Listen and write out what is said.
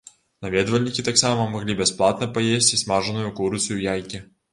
Наведвальнікі таксама маглі бясплатна паесці смажаную курыцу і яйкі.